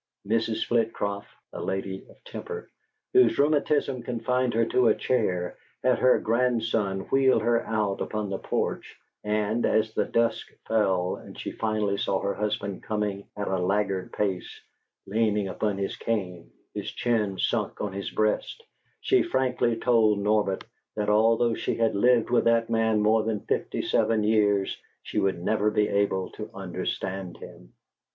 Mrs. Flitcroft (a lady of temper), whose rheumatism confined her to a chair, had her grandson wheel her out upon the porch, and, as the dusk fell and she finally saw her husband coming at a laggard pace, leaning upon his cane, his chin sunk on his breast, she frankly told Norbert that although she had lived with that man more than fifty seven years, she would never be able to understand him.